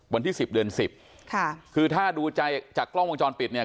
วันที่สิบเดือนสิบค่ะคือถ้าดูใจจากกล้องวงจรปิดเนี่ย